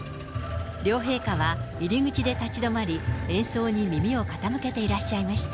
両陛下は入り口で立ち止まり、演奏に耳を傾けていらっしゃいました。